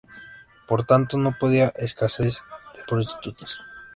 Por tanto, no había escasez de prostitutas.